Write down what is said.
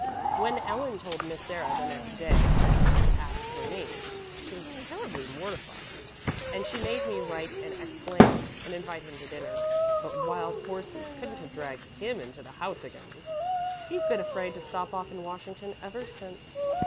"When Ellen told Miss Sarah the next day that he'd asked for me, she was terribly mortified, and she made me write and explain, and invite him to dinner; but wild horses couldn't have dragged him into the house again. He's been afraid to stop off in Washington ever since.